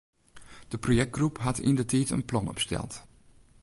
De projektgroep hat yndertiid in plan opsteld.